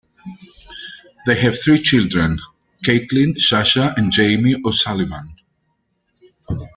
They have three children, Caitlin, Sascha and Jamie O'Sullivan.